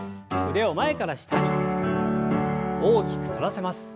腕を前から下に大きく反らせます。